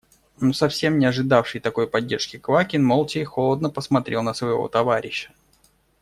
Но совсем не ожидавший такой поддержки Квакин молча и холодно посмотрел на своего товарища.